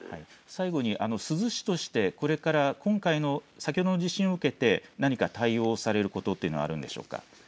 最後に珠洲市として、これから今回の、先ほどの地震を受けて何か対応されることはあるんでしょうか。